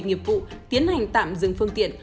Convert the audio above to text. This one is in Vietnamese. nghiệp vụ tiến hành tạm dừng phương tiện